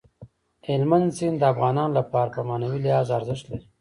هلمند سیند د افغانانو لپاره په معنوي لحاظ ارزښت لري.